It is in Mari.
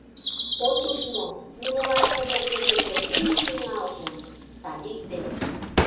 От уж мо, нунылан кызыт землетрясений тӱҥалже — садикте!